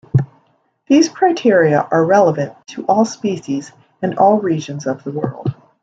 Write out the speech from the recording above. These criteria are relevant to all species and all regions of the world.